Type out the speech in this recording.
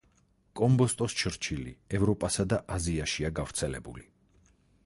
კომბოსტოს ჩრჩილი ევროპასა და აზიაშია გავრცელებული.